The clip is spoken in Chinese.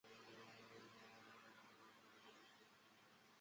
存在共八年。